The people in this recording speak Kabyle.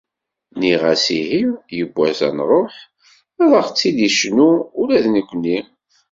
Nniɣ-as ihi yiwwas ad nṛuḥ ad aɣ-tt-id-icnu ula d nekkni.